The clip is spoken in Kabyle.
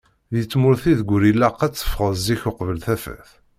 Deg tmurt i deg ur ilaq ad tefɣeḍ zik uqbel tafat.